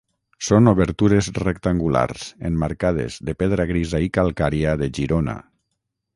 Són obertures rectangulars emmarcades de pedra grisa i calcària de Girona.